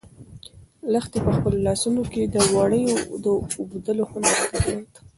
لښتې په خپلو لاسو کې د وړیو د اوبدلو هنر درلود.